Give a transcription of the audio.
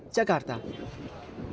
ber ketentangan kini